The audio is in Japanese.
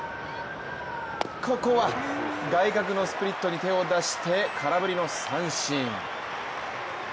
ここは外角のスプリットに手を出して、空振りの三振。